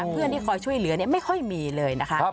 เพื่อนที่คอยช่วยเหลือไม่ค่อยมีเลยนะคะ